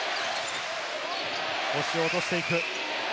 腰を落としていく。